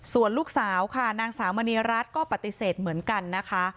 ส่วนลูกสาวค่ะนางสาวมณีรัฐก็ปฏิเสธเหมือนกันนะคะ